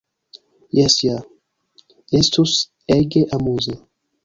Jes ja! Estus ege amuze!